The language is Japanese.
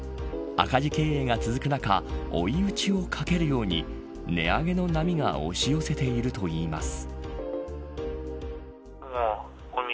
赤字経営が続く中追い打ちをかけるように値上げの波が押し寄せているといいます。